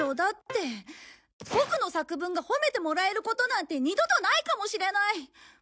ボクの作文が褒めてもらえることなんて二度とないかもしれない！